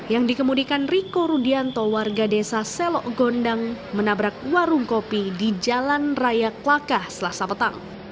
yang dikemudikan riko rudianto warga desa selok gondang menabrak warung kopi di jalan raya klaka selasa petang